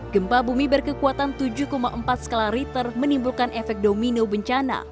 gempa bumi berkekuatan tujuh empat skala riter menimbulkan efek domino bencana